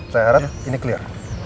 saya harap ini clear